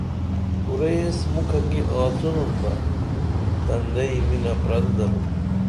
کُرئی ایس مُکھہ کی آڅنُن بہ تندئی منہ پرل درو